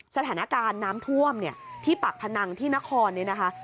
สถานการณ์น้ำท่วมเนี่ยที่ปากพนังที่นครเนี่ยนะคะ